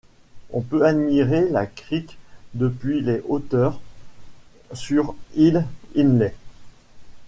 On peut admirer la crique depuis les hauteurs, sur Hill Inlet.